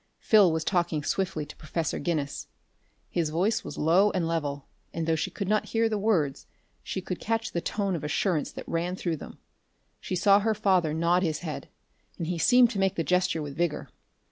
Phil was talking swiftly to Professor Guinness. His voice was low and level, and though she could not hear the words she could catch the tone of assurance that ran through them. She saw her father nod his head, and he seemed to make the gesture with vigor.